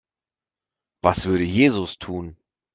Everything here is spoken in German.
Was würde Jesus tun?